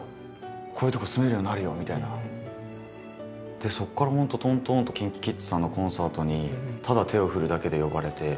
でそこから本当とんとんとＫｉｎＫｉＫｉｄｓさんのコンサートにただ手を振るだけで呼ばれて。